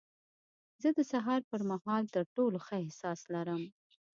زه د سهار پر مهال تر ټولو ښه احساس لرم.